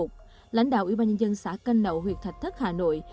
tối một mươi tám tháng một lãnh đạo ủy ban nhân dân xã canh nậu huyệt thạch thất hà nội